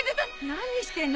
何してんの！